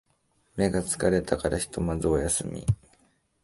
目が疲れたからひとまずお休み